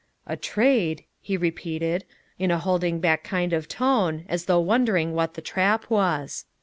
"A trade," he repeated in a holding back kind of tone, as though wondering what the trap was.